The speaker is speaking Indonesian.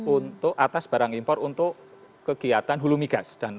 untuk atas barang impor untuk kegiatan hulumi gas